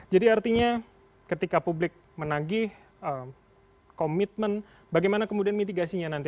jadi artinya ketika publik menagih komitmen bagaimana kemudian mitigasinya nanti